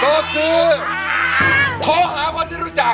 เป็นตัวช่วย